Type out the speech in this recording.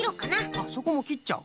あっそこもきっちゃう？